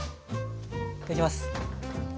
いただきます。